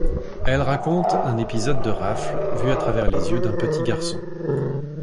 Elle raconte un épisode de rafle vu à travers les yeux d'un petit garçon.